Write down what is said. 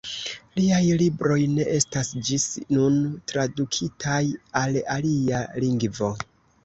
Liaj libroj ne estas ĝis nun tradukitaj al alia lingvo.